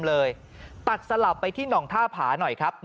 ปี๖๕วันเกิดปี๖๔ไปร่วมงานเช่นเดียวกัน